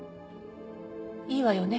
いいわよね？